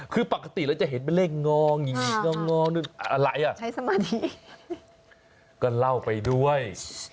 คือปกติแล้วจะเห็นเป็นเลขงองอย่างนี้